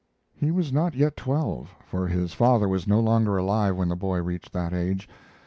He was not yet twelve, for his father was no longer alive when the boy reached that age.